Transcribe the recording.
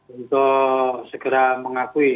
untuk segera mengakui